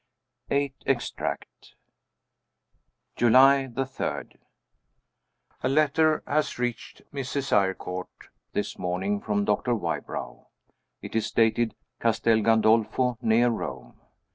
Eighth Extract. July 3. A letter has reached Mrs. Eyrecourt this morning, from Doctor Wybrow. It is dated, "Castel Gandolpho, near Rome."